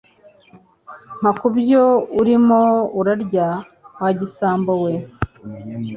mpa kubyo urimo urarya wa gisambo we